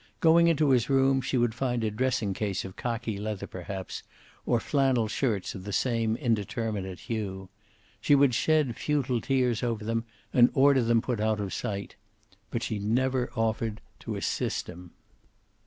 Going into his room she would find a dressing case of khaki leather, perhaps, or flannel shirts of the same indeterminate hue. She would shed futile tears over them, and order them put out of sight. But she never offered to assist him.